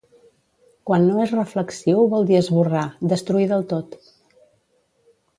Quan no és reflexiu vol dir esborrar, destruir del tot.